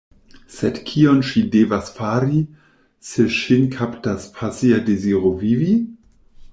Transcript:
Sed kion ŝi devas fari, se ŝin kaptas pasia deziro vivi?